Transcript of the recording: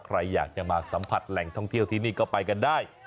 ใครอยากจะมาสัมผัสแหล่งท่องเที่ยวที่นี่ก็ไปกันได้